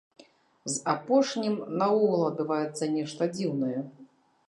З апошнім наогул адбываецца нешта дзіўнае.